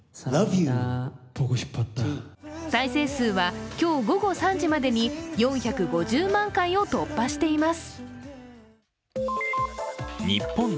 再生数は今日午後３時までに４５０万回を突破しています。